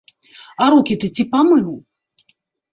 А рукі ты ці памыў?